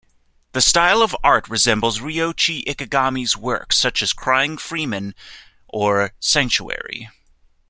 The style of art resembles Ryoichi Ikegami's works such as "Crying Freeman" or "Sanctuary".